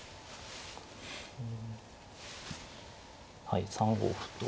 はい３五歩と。